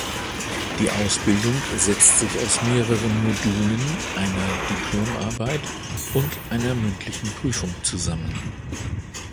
Die Ausbildung setzt sich aus mehreren Modulen, einer Diplomarbeit und einer mündlichen Prüfung zusammen.